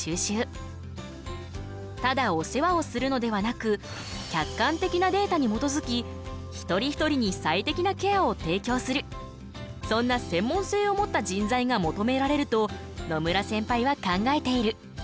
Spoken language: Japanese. ただお世話をするのではなく客観的なデータに基づきそんな専門性を持った人材が求められると野村センパイは考えている。